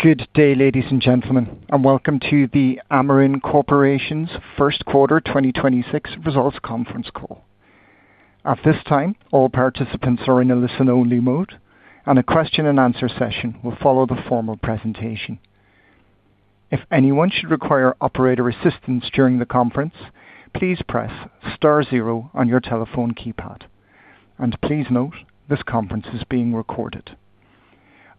Good day, ladies and gentlemen, and welcome to the Amarin Corporation first quarter 2026 results conference call.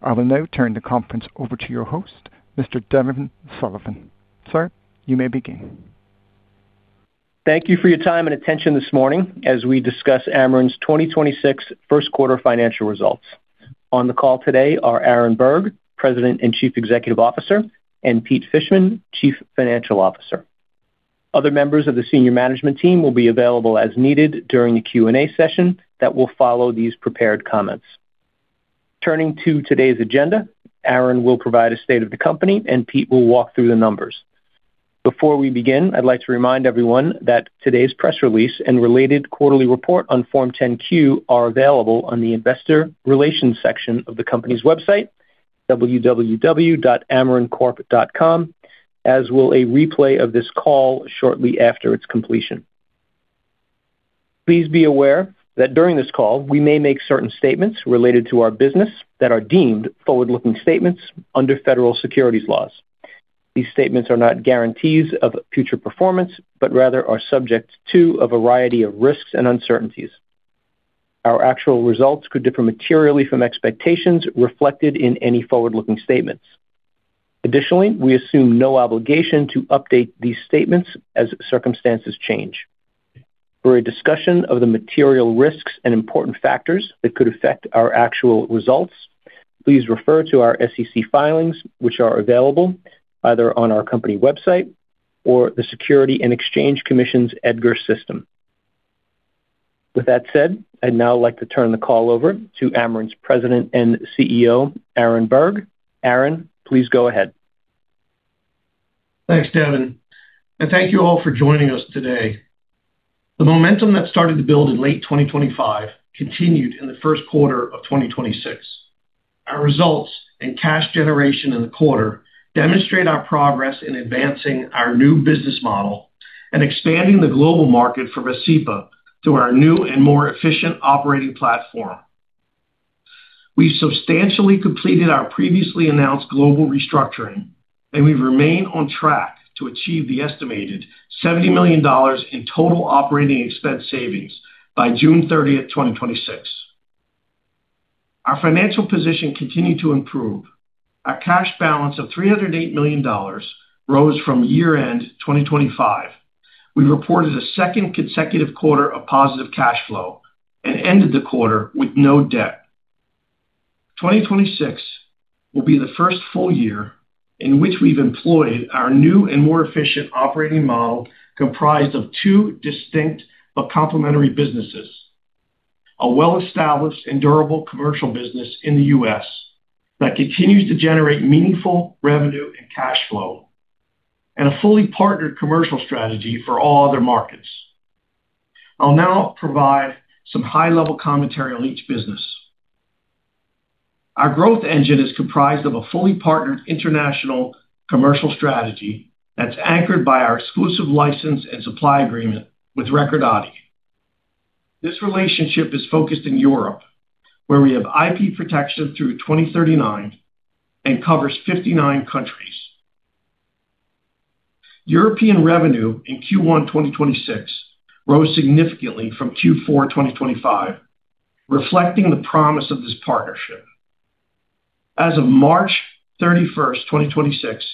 I will now turn the conference over to your host, Mr. Devin Sullivan. Sir, you may begin. Thank you for your time and attention this morning as we discuss Amarin's 2026 first quarter financial results. On the call today are Aaron Berg, President and Chief Executive Officer, and Peter Fishman, Chief Financial Officer. Other members of the senior management team will be available as needed during the Q&A session that will follow these prepared comments. Turning to today's agenda, Aaron will provide a state of the company, and Peter will walk through the numbers. Before we begin, I'd like to remind everyone that today's press release and related quarterly report on Form 10-Q are available on the investor relations section of the company's website, www.amarincorp.com, as will a replay of this call shortly after its completion. Please be aware that during this call we may make certain statements related to our business that are deemed forward-looking statements under federal securities laws. These statements are not guarantees of future performance, but rather are subject to a variety of risks and uncertainties. Our actual results could differ materially from expectations reflected in any forward-looking statements. We assume no obligation to update these statements as circumstances change. For a discussion of the material risks and important factors that could affect our actual results, please refer to our SEC filings, which are available either on our company website or the Securities and Exchange Commission's EDGAR system. With that said, I'd now like to turn the call over to Amarin's President and CEO, Aaron Berg. Aaron, please go ahead. Thanks, Devin. Thank you all for joining us today. The momentum that started to build in late 2025 continued in the first quarter of 2026. Our results and cash generation in the quarter demonstrate our progress in advancing our new business model and expanding the global market for Vascepa through our new and more efficient operating platform. We've substantially completed our previously announced global restructuring, and we remain on track to achieve the estimated $70 million in total operating expense savings by June 30th, 2026. Our financial position continued to improve. Our cash balance of $308 million rose from year-end 2025. We reported a second consecutive quarter of positive cash flow and ended the quarter with no debt. 2026 will be the first full year in which we've employed our new and more efficient operating model comprised of two distinct but complementary businesses. A well-established and durable commercial business in the U.S. that continues to generate meaningful revenue and cash flow, and a fully partnered commercial strategy for all other markets. I'll now provide some high-level commentary on each business. Our growth engine is comprised of a fully partnered international commercial strategy that's anchored by our exclusive license and supply agreement with Recordati. This relationship is focused in Europe, where we have IP protection through 2039 and covers 59 countries. European revenue in Q1 2026 rose significantly from Q4 2025, reflecting the promise of this partnership. As of March 31st, 2026,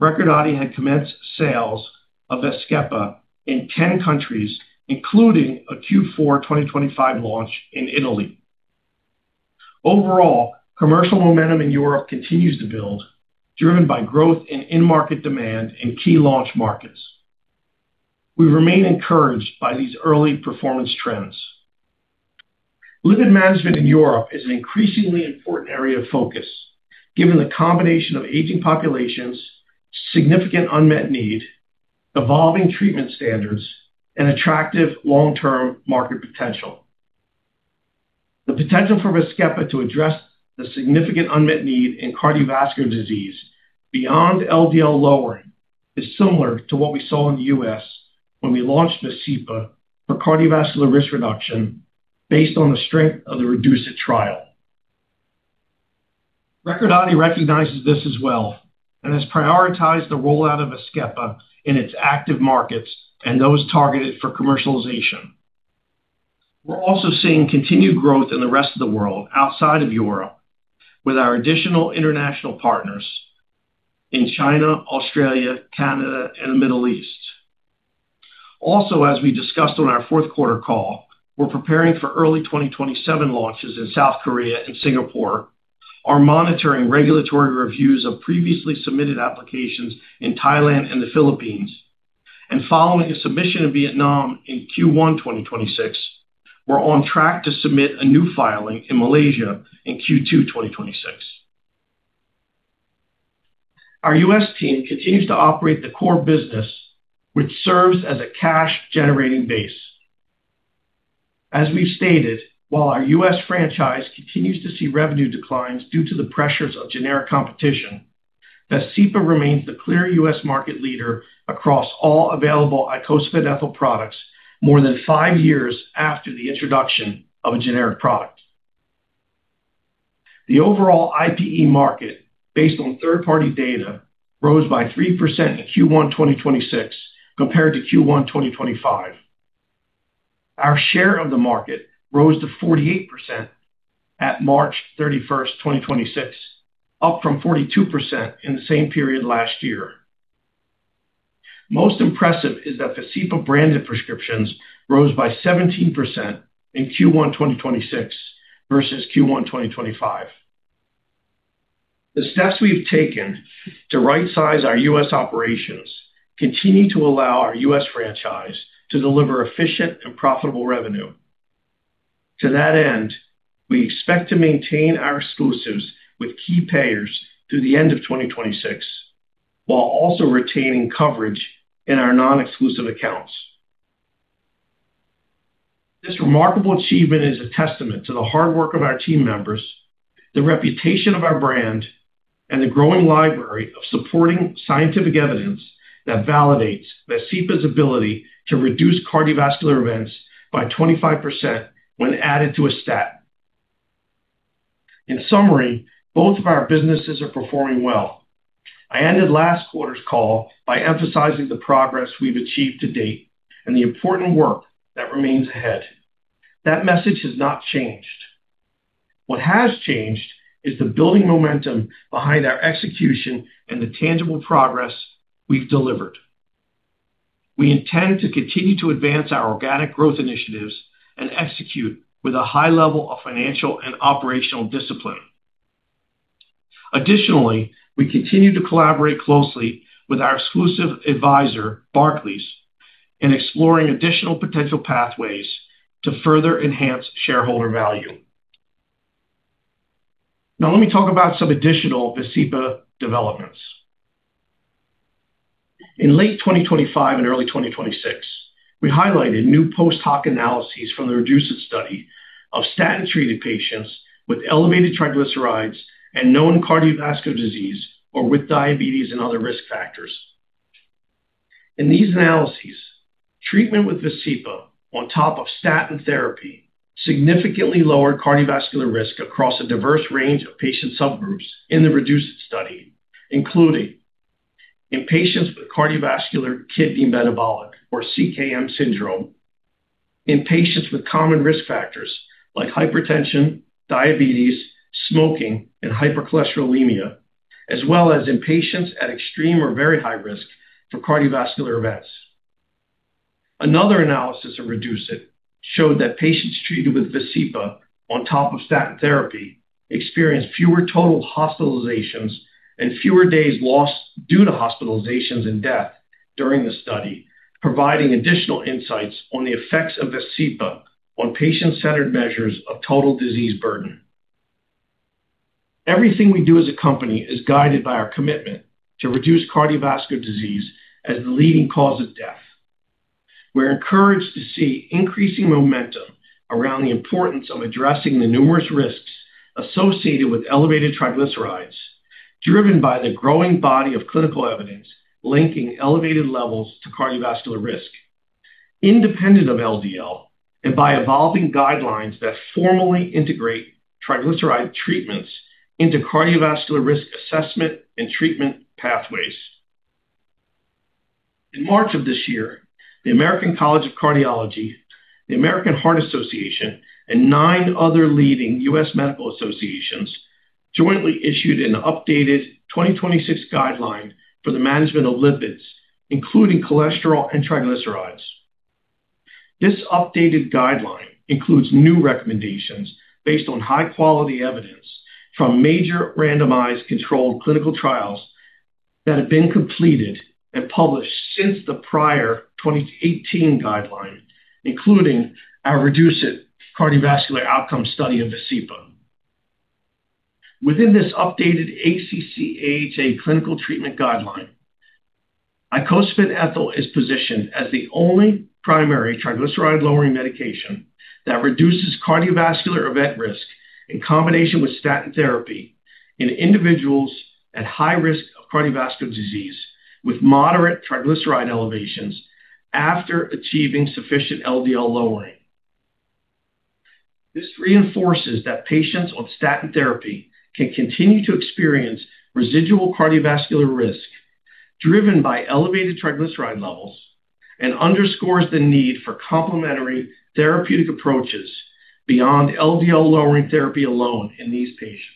Recordati had commenced sales of Vazkepa in 10 countries, including a Q4 2025 launch in Italy. Overall, commercial momentum in Europe continues to build, driven by growth in in-market demand in key launch markets. We remain encouraged by these early performance trends. Lipid management in Europe is an increasingly important area of focus, given the combination of aging populations, significant unmet need, evolving treatment standards, and attractive long-term market potential. The potential for Vazkepa to address the significant unmet need in cardiovascular disease beyond LDL lowering is similar to what we saw in the U.S. when we launched Vascepa for cardiovascular risk reduction based on the strength of the REDUCE-IT trial. Recordati recognizes this as well and has prioritized the rollout of Vazkepa in its active markets and those targeted for commercialization. We're also seeing continued growth in the rest of the world outside of Europe with our additional international partners in China, Australia, Canada, and the Middle East. Also, as we discussed on our fourth-quarter call, we're preparing for early 2027 launches in South Korea and Singapore, are monitoring regulatory reviews of previously submitted applications in Thailand and the Philippines. Following a submission in Vietnam in Q1 2026, we're on track to submit a new filing in Malaysia in Q2 2026. Our U.S. team continues to operate the core business, which serves as a cash-generating base. As we've stated, while our U.S. franchise continues to see revenue declines due to the pressures of generic competition, Vascepa remains the clear U.S. market leader across all available icosapent ethyl products more than five years after the introduction of a generic product. The overall IPE market, based on third-party data, rose by 3% in Q1 2026 compared to Q1 2025. Our share of the market rose to 48% at March 31st, 2026, up from 42% in the same period last year. Most impressive is that Vascepa-branded prescriptions rose by 17% in Q1 2026 versus Q1 2025. The steps we've taken to right-size our U.S. operations continue to allow our U.S. franchise to deliver efficient and profitable revenue. To that end, we expect to maintain our exclusives with key payers through the end of 2026, while also retaining coverage in our non-exclusive accounts. This remarkable achievement is a testament to the hard work of our team members, the reputation of our brand, and the growing library of supporting scientific evidence that validates Vascepa's ability to reduce cardiovascular events by 25% when added to a statin. In summary, both of our businesses are performing well. I ended last quarter's call by emphasizing the progress we've achieved to date and the important work that remains ahead. That message has not changed. What has changed is the building momentum behind our execution and the tangible progress we've delivered. We intend to continue to advance our organic growth initiatives and execute with a high level of financial and operational discipline. Additionally, we continue to collaborate closely with our exclusive advisor, Barclays, in exploring additional potential pathways to further enhance shareholder value. Now let me talk about some additional Vascepa developments. In late 2025 and early 2026, we highlighted new post-hoc analyses from the REDUCE-IT study of statin-treated patients with elevated triglycerides and known cardiovascular disease or with diabetes and other risk factors. In these analyses, treatment with Vascepa on top of statin therapy significantly lowered cardiovascular risk across a diverse range of patient subgroups in the REDUCE-IT study, including in patients with cardiovascular kidney metabolic, or CKM syndrome, in patients with common risk factors like hypertension, diabetes, smoking, and hypercholesterolemia, as well as in patients at extreme or very high risk for cardiovascular events. Another analysis of REDUCE-IT showed that patients treated with Vascepa on top of statin therapy experienced fewer total hospitalizations and fewer days lost due to hospitalizations and death during the study, providing additional insights on the effects of Vascepa on patient-centered measures of total disease burden. Everything we do as a company is guided by our commitment to reduce cardiovascular disease as the leading cause of death. We're encouraged to see increasing momentum around the importance of addressing the numerous risks associated with elevated triglycerides, driven by the growing body of clinical evidence linking elevated levels to cardiovascular risk independent of LDL and by evolving guidelines that formally integrate triglyceride treatments into cardiovascular risk assessment and treatment pathways. In March of this year, the American College of Cardiology, the American Heart Association, and nine other leading U.S. medical associations jointly issued an updated 2026 guideline for the management of lipids, including cholesterol and triglycerides. This updated guideline includes new recommendations based on high-quality evidence from major randomized controlled clinical trials that have been completed and published since the prior 2018 guideline, including our REDUCE-IT cardiovascular outcome study of Vascepa. Within this updated ACC/AHA clinical treatment guideline, icosapent ethyl is positioned as the only primary triglyceride-lowering medication that reduces cardiovascular event risk in combination with statin therapy in individuals at high risk of cardiovascular disease with moderate triglyceride elevations after achieving sufficient LDL lowering. This reinforces that patients on statin therapy can continue to experience residual cardiovascular risk driven by elevated triglyceride levels and underscores the need for complementary therapeutic approaches beyond LDL-lowering therapy alone in these patients.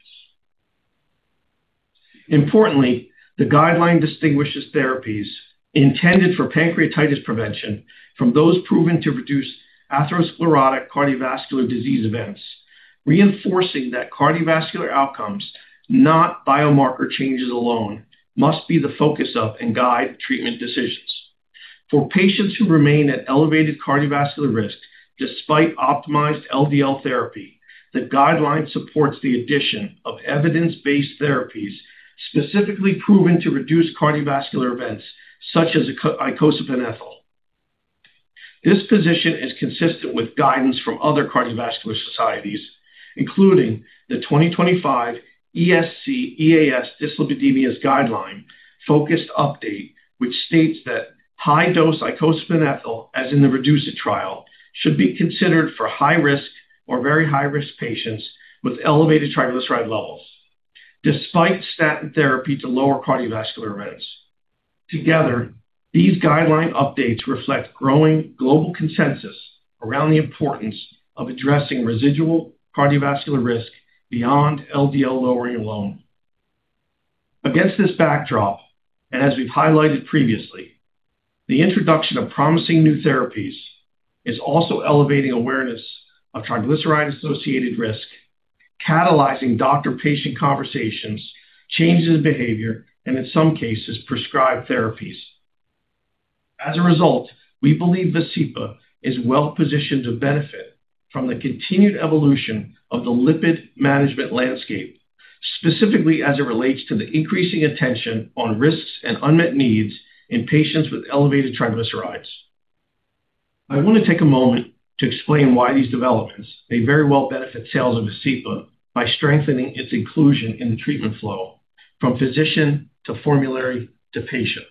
Importantly, the guideline distinguishes therapies intended for pancreatitis prevention from those proven to reduce atherosclerotic cardiovascular disease events, reinforcing that cardiovascular outcomes, not biomarker changes alone, must be the focus of and guide treatment decisions. For patients who remain at elevated cardiovascular risk despite optimized LDL therapy, the guideline supports the addition of evidence-based therapies specifically proven to reduce cardiovascular events such as icosapent ethyl. This position is consistent with guidance from other cardiovascular societies, including the 2025 ESC/EAS dyslipidemia guideline focused update, which states that high-dose icosapent ethyl, as in the REDUCE-IT trial, should be considered for high risk or very high-risk patients with elevated triglyceride levels, despite statin therapy to lower cardiovascular events. Together, these guideline updates reflect growing global consensus around the importance of addressing residual cardiovascular risk beyond LDL lowering alone. Against this backdrop, and as we've highlighted previously, the introduction of promising new therapies is also elevating awareness of triglyceride-associated risk, catalyzing doctor-patient conversations, changes in behavior, and in some cases, prescribed therapies. As a result, we believe Vascepa is well-positioned to benefit from the continued evolution of the lipid management landscape, specifically as it relates to the increasing attention on risks and unmet needs in patients with elevated triglycerides. I want to take a moment to explain why these developments may very well benefit sales of Vascepa by strengthening its inclusion in the treatment flow from physician to formulary to patient.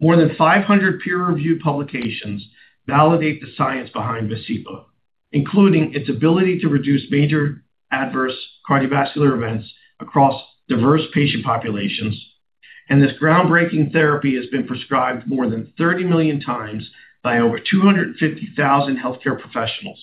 More than 500 peer-reviewed publications validate the science behind Vascepa, including its ability to reduce major adverse cardiovascular events across diverse patient populations. This groundbreaking therapy has been prescribed more than 30 million times by over 250,000 healthcare professionals.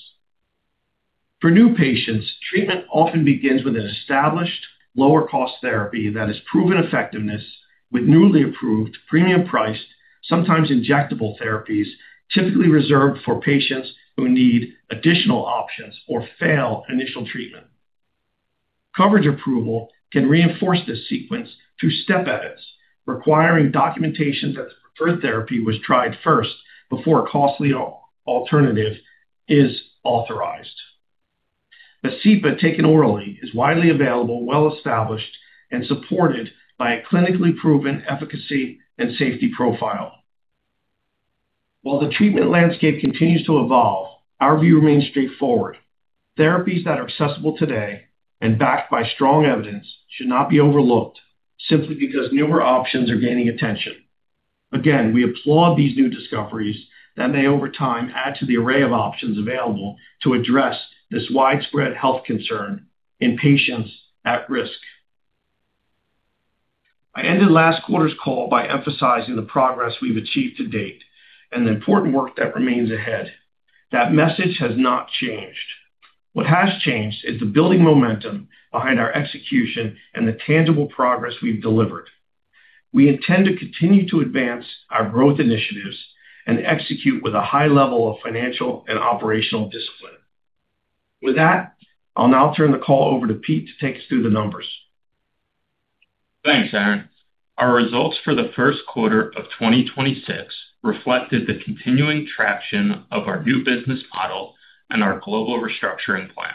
For new patients, treatment often begins with an established lower cost therapy that has proven effectiveness, with newly approved premium-priced, sometimes injectable therapies, typically reserved for patients who need additional options or fail initial treatment. Coverage approval can reinforce this sequence through step edits, requiring documentation that the preferred therapy was tried first before a costly alternative is authorized. Vascepa, taken orally, is widely available, well-established, and supported by a clinically proven efficacy and safety profile. While the treatment landscape continues to evolve, our view remains straightforward. Therapies that are accessible today and backed by strong evidence should not be overlooked simply because newer options are gaining attention. Again, we applaud these new discoveries that may over time add to the array of options available to address this widespread health concern in patients at risk. I ended last quarter's call by emphasizing the progress we've achieved to date and the important work that remains ahead. That message has not changed. What has changed is the building momentum behind our execution and the tangible progress we've delivered. We intend to continue to advance our growth initiatives and execute with a high level of financial and operational discipline. With that, I'll now turn the call over to Peter Fishman to take us through the numbers. Thanks, Aaron. Our results for the first quarter of 2026 reflected the continuing traction of our new business model and our global restructuring plan.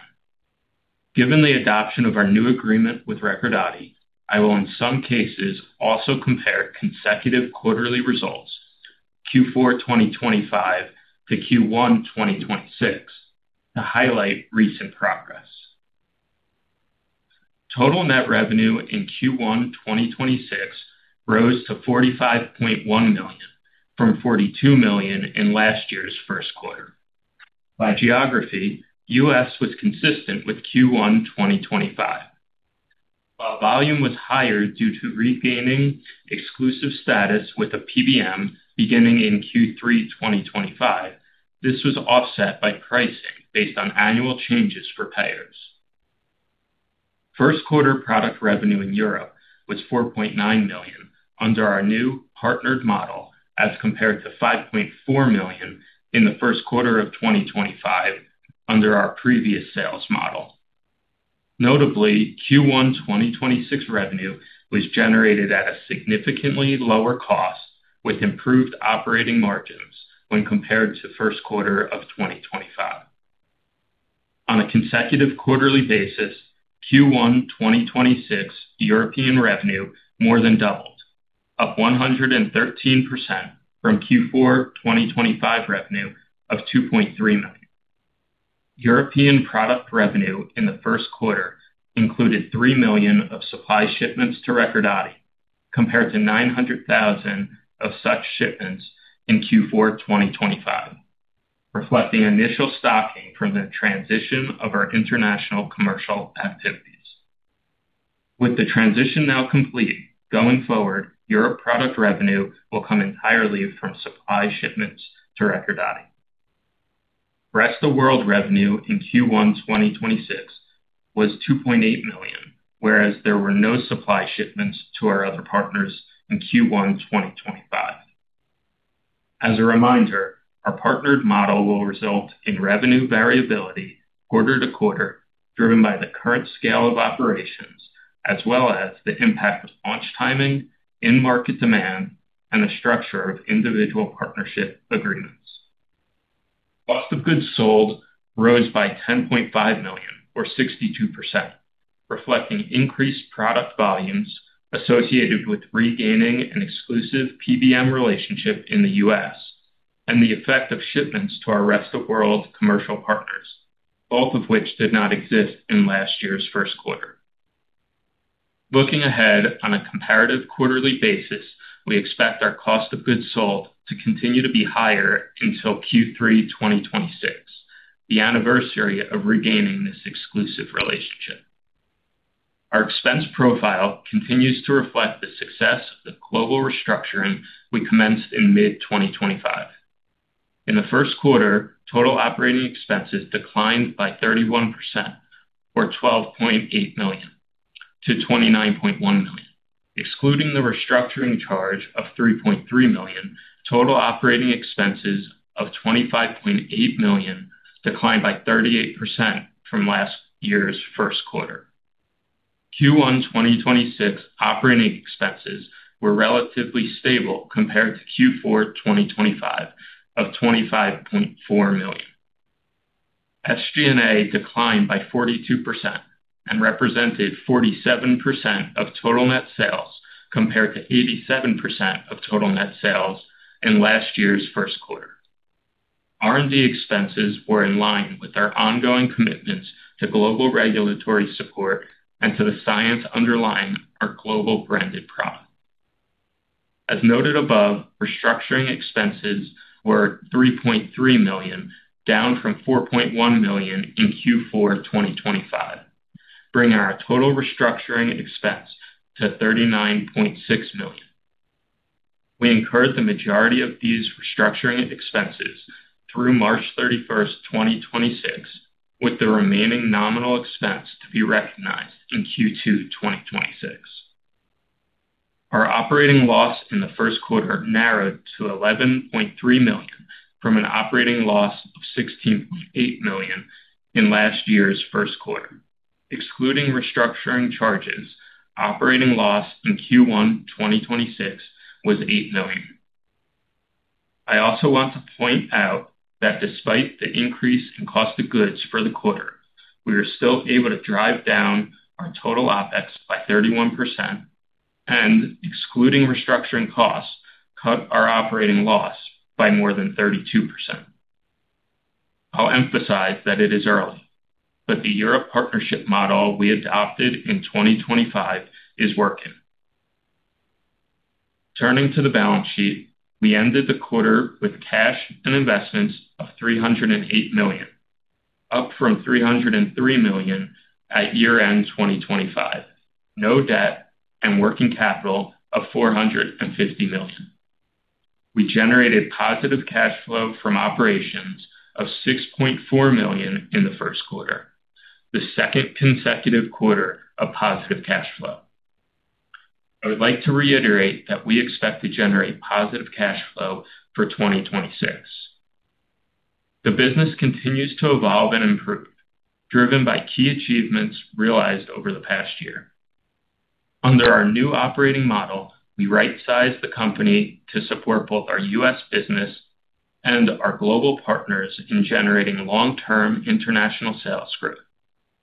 Given the adoption of our new agreement with Recordati, I will in some cases also compare consecutive quarterly results, Q4 2025-Q1 2026, to highlight recent progress. Total net revenue in Q1 2026 rose to $45.1 million from $42 million in last year's first quarter. By geography, U.S. was consistent with Q1 2025. While volume was higher due to regaining exclusive status with a PBM beginning in Q3 2025, this was offset by pricing based on annual changes for payers. First quarter product revenue in Europe was $4.9 million under our new partnered model, as compared to $5.4 million in the first quarter of 2025 under our previous sales model. Notably, Q1 2026 revenue was generated at a significantly lower cost, with improved operating margins when compared to the first quarter of 2025. On a consecutive quarterly basis, Q1 2026 European revenue more than doubled, up 113% from Q4 2025 revenue of $2.3 million. European product revenue in the first quarter included $3 million of supply shipments to Recordati, compared to $900,000 of such shipments in Q4 2025, reflecting initial stocking from the transition of our international commercial activities. With the transition now complete, going forward, Europe product revenue will come entirely from supply shipments to Recordati. Rest of world revenue in Q1 2026 was $2.8 million, whereas there were no supply shipments to our other partners in Q1 2025. As a reminder, our partnered model will result in revenue variability quarter to quarter, driven by the current scale of operations as well as the impact of launch timing, end market demand, and the structure of individual partnership agreements. Cost of goods sold rose by $10.5 million or 62%, reflecting increased product volumes associated with regaining an exclusive PBM relationship in the U.S. and the effect of shipments to our rest-of-world commercial partners, both of which did not exist in last year's first quarter. Looking ahead on a comparative quarterly basis, we expect our cost of goods sold to continue to be higher until Q3 2026, the anniversary of regaining this exclusive relationship. Our expense profile continues to reflect the success of the global restructuring we commenced in mid-2025. In the first quarter, total operating expenses declined by 31% or $12.8 million to $29.1 million. Excluding the restructuring charge of $3.3 million, total operating expenses of $25.8 million declined by 38% from last year's first quarter. Q1 2026 operating expenses were relatively stable compared to Q4 2025 of $25.4 million. SG&A declined by 42% and represented 47% of total net sales compared to 87% of total net sales in last year's first quarter. R&D expenses were in line with our ongoing commitments to global regulatory support and to the science underlying our global branded product. As noted above, restructuring expenses were $3.3 million, down from $4.1 million in Q4 2025, bringing our total restructuring expense to $39.6 million. We incurred the majority of these restructuring expenses through March 31st, 2026, with the remaining nominal expense to be recognized in Q2 2026. Our operating loss in the first quarter narrowed to $11.3 million from an operating loss of $16.8 million in last year's first quarter. Excluding restructuring charges, operating loss in Q1 2026 was $8 million. I also want to point out that despite the increase in COGS for the quarter, we are still able to drive down our total OpEx by 31% and excluding restructuring costs, cut our operating loss by more than 32%. I'll emphasize that it is early, but the Europe partnership model we adopted in 2025 is working. Turning to the balance sheet, we ended the quarter with cash and investments of $308 million, up from $303 million at year-end 2025, no debt and working capital of $450 million. We generated positive cash flow from operations of $6.4 million in the first quarter, the second consecutive quarter of positive cash flow. I would like to reiterate that we expect to generate positive cash flow for 2026. The business continues to evolve and improve, driven by key achievements realized over the past year. Under our new operating model, we right-sized the company to support both our U.S. business and our global partners in generating long-term international sales growth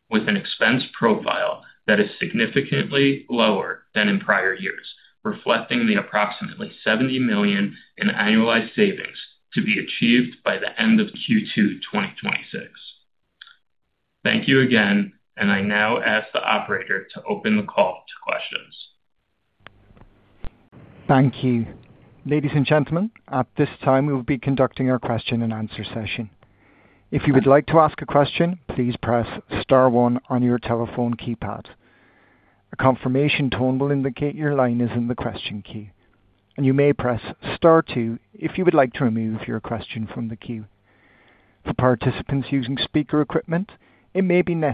with an expense profile that is significantly lower than in prior years, reflecting the approximately $70 million in annualized savings to be achieved by the end of Q2 2026. Thank you again, and I now ask the operator to open the call to questions. Thank you. Ladies and gentlemen, at this time, we will be conducting our question-and-answer session. Thank you.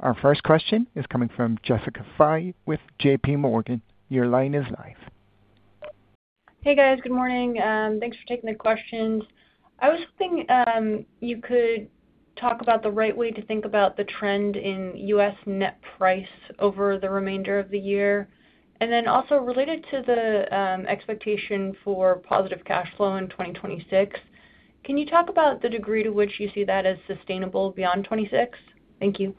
Our first question is coming from Jessica Fye with JPMorgan. Your line is live. Hey, guys. Good morning. Thanks for taking the questions. I was thinking, you could talk about the right way to think about the trend in U.S. net price over the remainder of the year. Also related to the expectation for positive cash flow in 2026, can you talk about the degree to which you see that as sustainable beyond 2026? Thank you.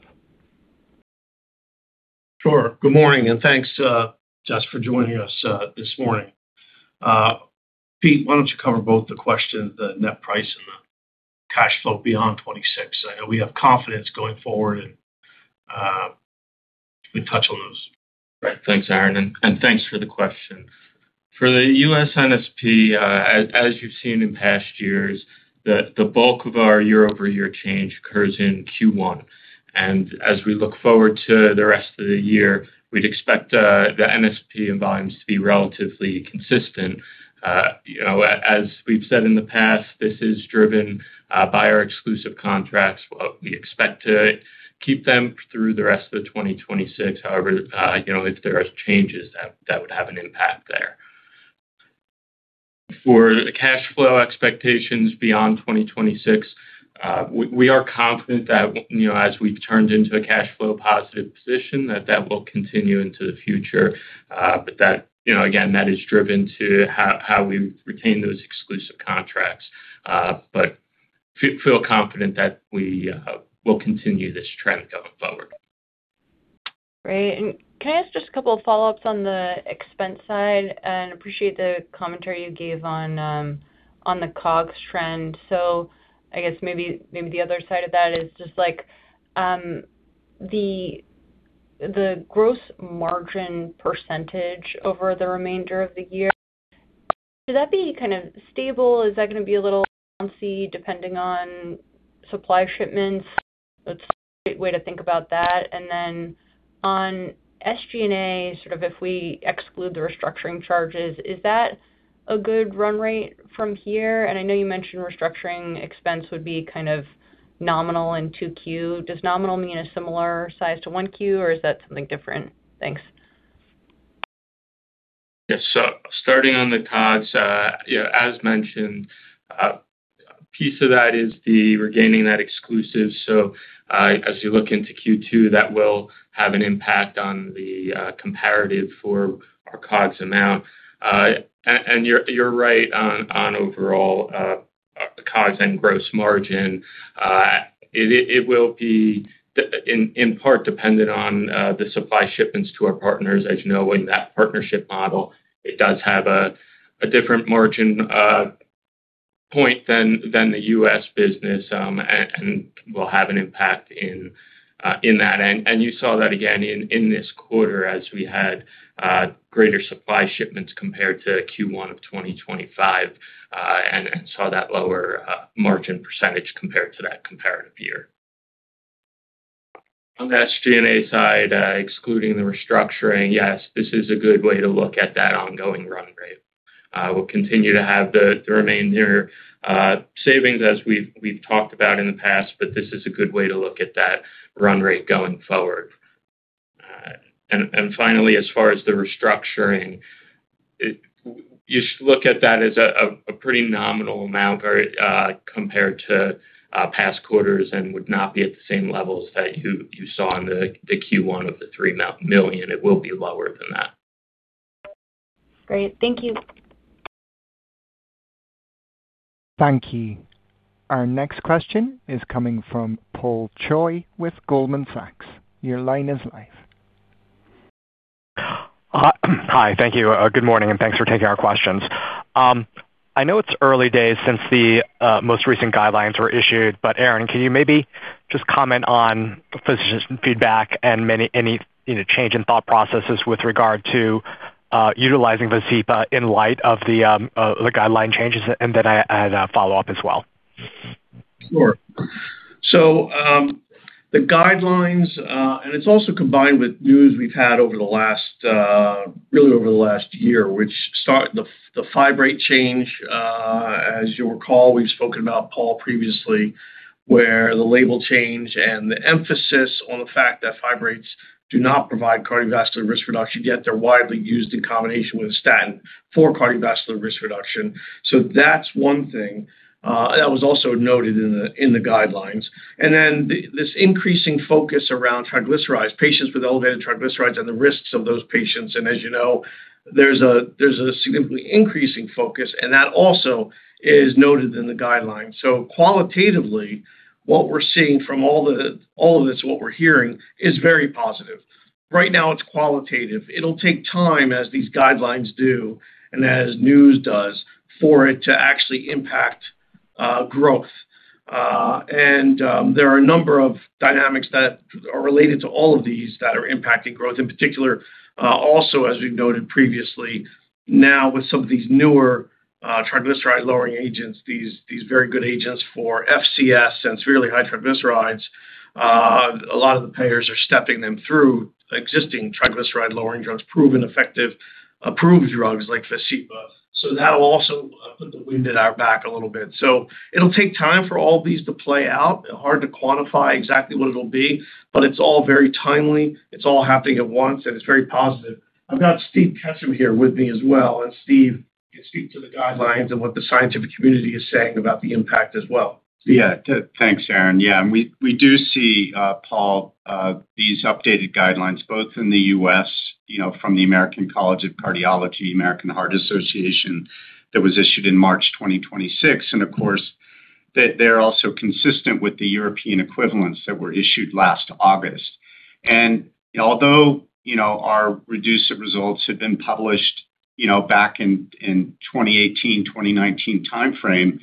Sure. Good morning, and thanks, Jessica Fye, for joining us this morning. Peter Fishman, why don't you cover both the question, the net price and the cash flow beyond 2026? I know we have confidence going forward and we touch on those. Right. Thanks, Aaron. Thanks for the question. For the U.S. NSP, as you've seen in past years, the bulk of our year-over-year change occurs in Q1. As we look forward to the rest of the year, we'd expect the NSP and volumes to be relatively consistent. You know, as we've said in the past, this is driven by our exclusive contracts. We expect to keep them through the rest of 2026. However, you know, if there are changes, that would have an impact there. For cash flow expectations beyond 2026, we are confident that, you know, as we've turned into a cash flow positive position that that will continue into the future. That, you know, again, that is driven to how we retain those exclusive contracts. Feel confident that we will continue this trend going forward. Great. Can I ask just a couple of follow-ups on the expense side? I appreciate the commentary you gave on the COGS trend. I guess maybe the other side of that is just like the gross margin percentage over the remainder of the year. Should that be kind of stable? Is that gonna be a little bouncy depending on supply shipments? What's the right way to think about that? Then on SG&A, sort of if we exclude the restructuring charges, is that a good run rate from here? I know you mentioned restructuring expense would be kind of nominal in Q2. Does nominal mean a similar size to Q1, or is that something different? Thanks. Yes. Starting on the COGS, as mentioned, a piece of that is the regaining that exclusive. As you look into Q2, that will have an impact on the comparative for our COGS amount. You're right on overall COGS and gross margin. It will be dependent on the supply shipments to our partners. As you know, in that partnership model, it does have a different margin point than the U.S. business and will have an impact in that. You saw that again in this quarter as we had greater supply shipments compared to Q1 2025 and saw that lower margin percentage compared to that comparative year. On the SG&A side, excluding the restructuring, yes, this is a good way to look at that ongoing run rate. We'll continue to have the remainder savings as we've talked about in the past, but this is a good way to look at that run rate going forward. Finally, as far as the restructuring, you look at that as a pretty nominal amount very compared to past quarters and would not be at the same levels that you saw in the Q1 of the $3 million. It will be lower than that. Great. Thank you. Thank you. Our next question is coming from Paul Choi with Goldman Sachs. Your line is live. Hi. Thank you. Good morning, and thanks for taking our questions. I know it's early days since the most recent guidelines were issued, but Aaron, can you maybe just comment on physician feedback and any, you know, change in thought processes with regard to utilizing Vascepa in light of the guideline changes? I had a follow-up as well. Sure. The guidelines, and it's also combined with news we've had over the last, really over the last year, the fibrate change, as you'll recall, we've spoken about, Paul, previously, where the label change and the emphasis on the fact that fibrates do not provide cardiovascular risk reduction, yet they're widely used in combination with a statin for cardiovascular risk reduction. This increasing focus around triglycerides, patients with elevated triglycerides and the risks of those patients. As you know, there's a significantly increasing focus, and that also is noted in the guidelines. Qualitatively, what we're seeing from all of this, what we're hearing is very positive. Right now, it's qualitative. It'll take time as these guidelines do and as news does, for it to actually impact growth. There are a number of dynamics that are related to all of these that are impacting growth. In particular, also as we've noted previously, now with some of these newer triglyceride-lowering agents, these very good agents for FCS and severely high triglycerides, a lot of the payers are stepping them through existing triglyceride-lowering drugs, proven effective approved drugs like Vascepa. That'll also put the wind at our back a little bit. It'll take time for all of these to play out. Hard to quantify exactly what it'll be, but it's all very timely. It's all happening at once, and it's very positive. I've got Steve Ketchum here with me as well, and Steve can speak to the guidelines and what the scientific community is saying about the impact as well. Thanks, Aaron. We do see, Paul, these updated guidelines both in the U.S., you know, from the American College of Cardiology, American Heart Association that was issued in March 2026. Of course, they're also consistent with the European equivalents that were issued last August. Although, you know, our REDUCE-IT results have been published, you know, back in 2018, 2019 timeframe,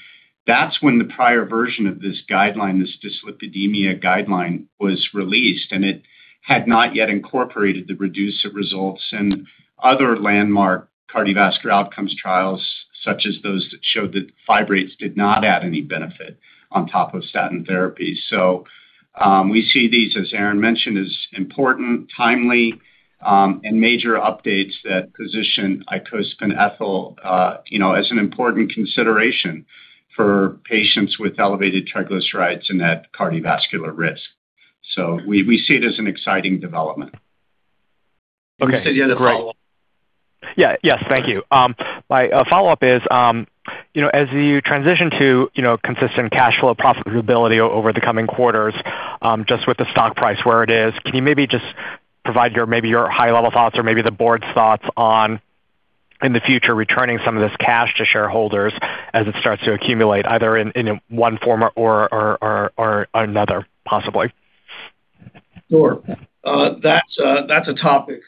that's when the prior version of this guideline, this dyslipidemia guideline was released, and it had not yet incorporated the REDUCE-IT results and other landmark cardiovascular outcomes trials, such as those that showed that fibrates did not add any benefit on top of statin therapy. We see these, as Aaron mentioned, as important, timely, and major updates that position icosapent ethyl, you know, as an important consideration for patients with elevated triglycerides and at cardiovascular risk. We, we see it as an exciting development. Okay, great. Yes. Thank you. My follow-up is, you know, as you transition to, you know, consistent cash flow profitability over the coming quarters, just with the stock price where it is, can you maybe just provide your maybe your high level thoughts or maybe the board's thoughts on, in the future, returning some of this cash to shareholders as it starts to accumulate either in one form or another, possibly? Sure. That's, that's a topic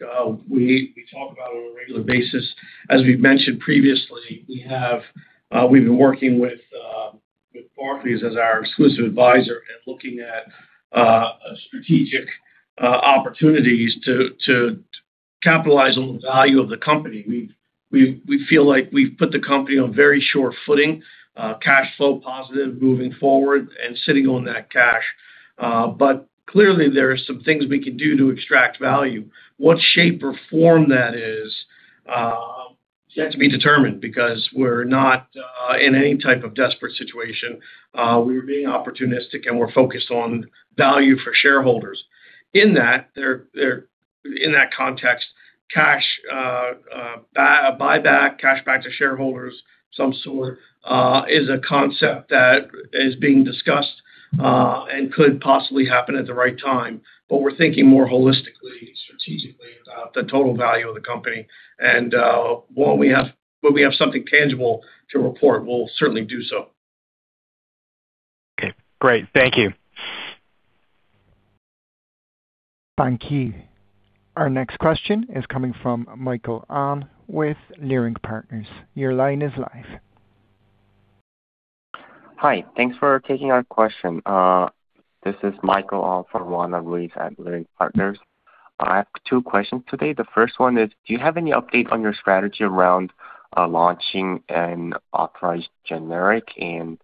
we talk about on a regular basis. As we've mentioned previously, we've been working with Barclays as our exclusive advisor and looking at strategic opportunities to capitalize on the value of the company. We feel like we've put the company on very sure footing, cash flow positive moving forward and sitting on that cash. Clearly there are some things we can do to extract value. What shape or form that is yet to be determined because we're not in any type of desperate situation. We're being opportunistic, we're focused on value for shareholders. In that context, cash, buyback, cash back to shareholders of some sort, is a concept that is being discussed, and could possibly happen at the right time. We're thinking more holistically, strategically about the total value of the company. When we have something tangible to report, we'll certainly do so. Okay, great. Thank you. Thank you. Our next question is coming from Michael Ahn with Leerink Partners. Your line is live. Hi. Thanks for taking our question. This is Michael Ahn from at Leerink Partners. I have two questions today. The first one is, do you have any update on your strategy around launching an authorized generic, and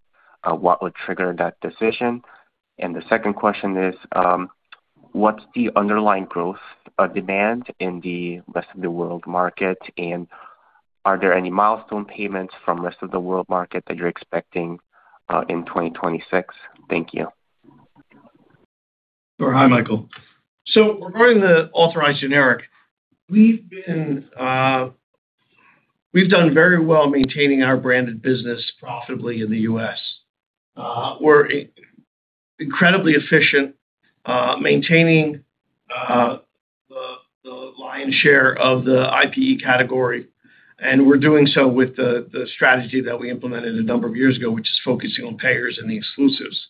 what would trigger that decision? The second question is, what's the underlying growth demand in the rest of the world market? Are there any milestone payments from rest of the world market that you're expecting in 2026? Thank you. Sure. Hi, Michael. Regarding the authorized generic, we've done very well maintaining our branded business profitably in the U.S. We're incredibly efficient maintaining the lion's share of the IPE category, and we're doing so with the strategy that we implemented a number of years ago, which is focusing on payers and the exclusives.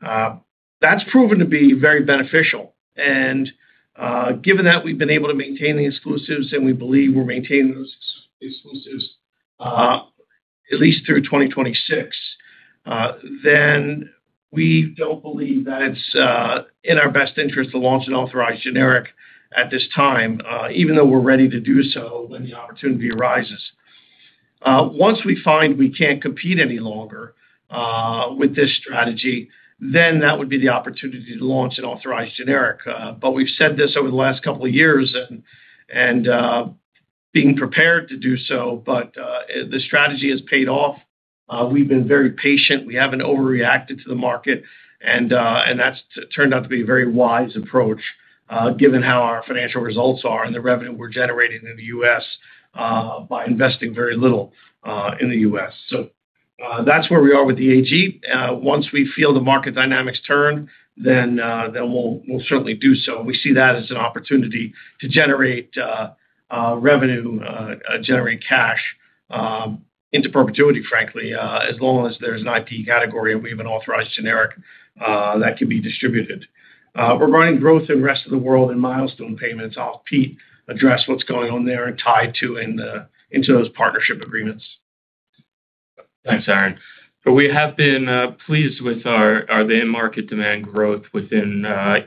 That's proven to be very beneficial. Given that we've been able to maintain the exclusives, and we believe we're maintaining those exclusives at least through 2026, we don't believe that it's in our best interest to launch an authorized generic at this time, even though we're ready to do so when the opportunity arises. Once we find we can't compete any longer with this strategy, that would be the opportunity to launch an authorized generic. We've said this over the last couple of years and, being prepared to do so. The strategy has paid off. We've been very patient. We haven't overreacted to the market, and that's turned out to be a very wise approach given how our financial results are and the revenue we're generating in the U.S. by investing very little in the U.S. That's where we are with the AG. Once we feel the market dynamics turn, then we'll certainly do so. We see that as an opportunity to generate revenue, generate cash into perpetuity, frankly, as long as there's an IP category and we have an authorized generic that can be distributed. Regarding growth in rest of the world and milestone payments, I'll have Peter address what's going on there and tie into those partnership agreements. Thanks, Aaron. We have been pleased with our day in market demand growth within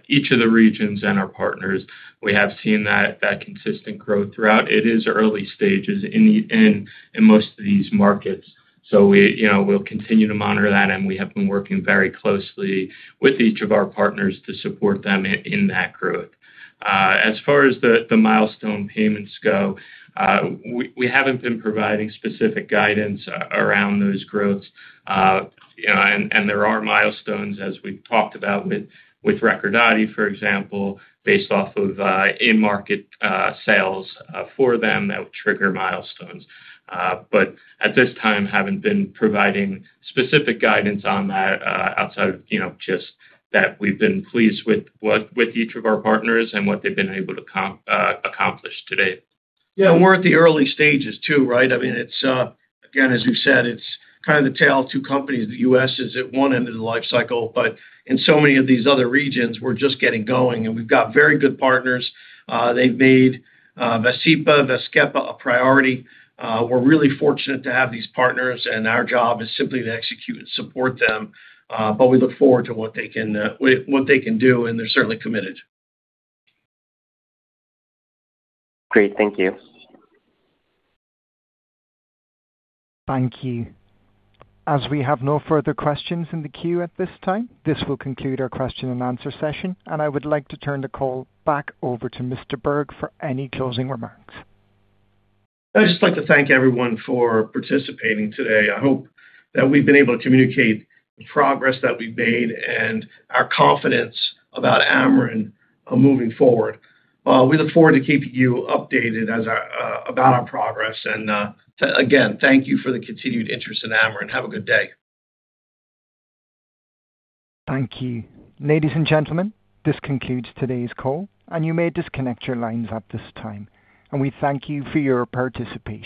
each of the regions and our partners. We have seen that consistent growth throughout. It is early stages in most of these markets. We, you know, we'll continue to monitor that, and we have been working very closely with each of our partners to support them in that growth. As far as the milestone payments go, we haven't been providing specific guidance around those growths. There are milestones, as we've talked about with Recordati, for example, based off of in-market sales for them that would trigger milestones. At this time, haven't been providing specific guidance on that, outside of, you know, just that we've been pleased with each of our partners and what they've been able to accomplish to date. Yeah. We're at the early stages too, right? I mean, it's, again, as you said, it's kind of the tale of two companies. The U.S. is at one end of the life cycle. In so many of these other regions, we're just getting going. We've got very good partners. They've made Vascepa, Vazkepa a priority. We're really fortunate to have these partners. Our job is simply to execute and support them. We look forward to what they can, what they can do. They're certainly committed. Great. Thank you. Thank you. As we have no further questions in the queue at this time, this will conclude our question and answer session, and I would like to turn the call back over to Mr. Berg for any closing remarks. I'd just like to thank everyone for participating today. I hope that we've been able to communicate the progress that we've made and our confidence about Amarin moving forward. We look forward to keeping you updated about our progress. Again, thank you for the continued interest in Amarin. Have a good day. Thank you. Ladies and gentlemen, this concludes today's call, and you may disconnect your lines at this time. We thank you for your participation.